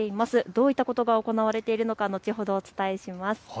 どういったことが行われているのか後ほどお伝えします。